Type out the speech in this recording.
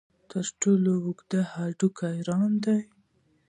تر ټولو اوږد هډوکی ران دی.